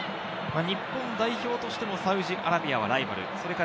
日本代表としてもサウジアラビアはライバル。